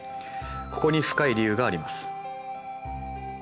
ここに深い理由があります。